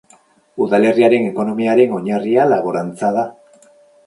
Udalerriaren ekonomiaren oinarria laborantza da.